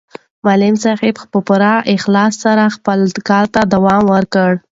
معلم صاحب په پوره اخلاص خپل کار ته دوام ورکړ.